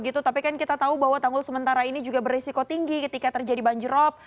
tapi kan kita tahu bahwa tanggul sementara ini juga berisiko tinggi ketika terjadi banjirop